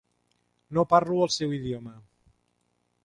No parlo el seu idioma.